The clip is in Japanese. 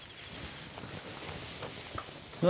何？